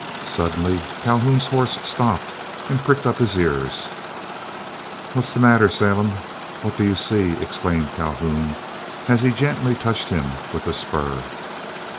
Suddenly Calhoun's horse stopped and pricked up his ears. "What's the matter, Selim? What do you see?" exclaimed Calhoun, as he gently touched him with the spur.